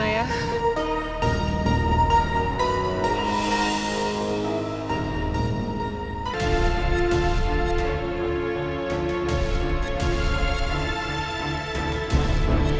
asal kamu kaget banget